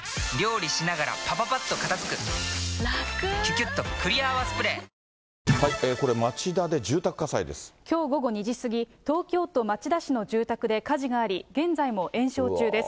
キリン「生茶」これ、きょう午後２時過ぎ、東京都町田市の住宅で火事があり、現在も延焼中です。